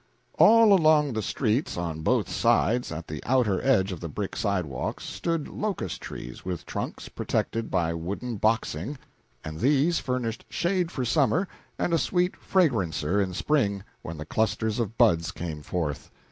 All along the streets, on both sides, at the outer edge of the brick sidewalks, stood locust trees with trunks protected by wooden boxing, and these furnished shade for summer and a sweet fragrance in spring when the clusters of buds came forth.